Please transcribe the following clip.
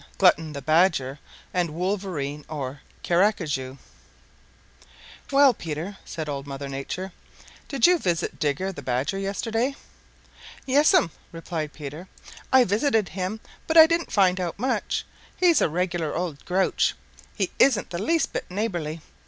CHAPTER XXIII Digger and His Cousin Glutton "Well, Peter," said Old Mother Nature, "did you visit Digger the Badger yesterday?" "Yes'm," replied Peter, "I visited him, but I didn't find out much. He's a regular old grouch. He isn't the least bit neighborly.